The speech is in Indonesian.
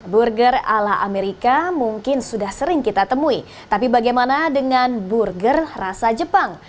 burger ala amerika mungkin sudah sering kita temui tapi bagaimana dengan burger rasa jepang